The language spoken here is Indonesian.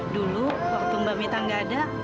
dulu waktu mbak meta gak ada